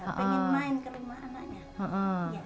pengen main ke rumah anaknya